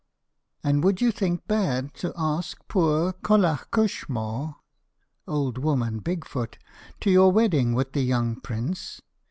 "An' would you think bad to ask poor Colliagh Cushmōr (Old woman Big foot) to your wedding with the young prince?